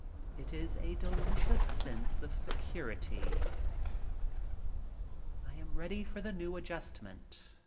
It is a delicious sense of security. I am ready for the new adjustment.